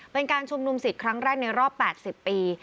เป็นการชุมนุมสิทธิ์ครั้งแรกในรอบ๘๐ปี